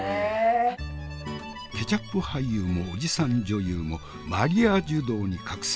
ケチャップ俳優もおじさん女優もマリアージュ道に覚醒。